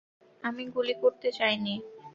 আমি গুলি করতে চাইনি।